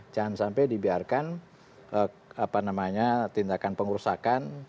jangan sampai dibiarkan tindakan pengurusakan